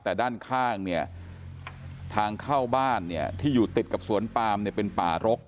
แต่ด้านข้างเนี่ยทางเข้าบ้านเนี่ยที่อยู่ติดกับสวนปามเนี่ยเป็นป่ารก